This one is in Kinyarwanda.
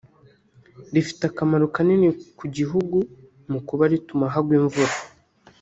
rifite akamaro kanini ku gihugu mu kuba rituma hagwa imvura